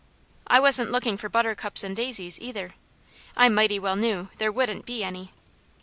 I wasn't looking for buttercups and daisies either. I mighty well knew there wouldn't be any.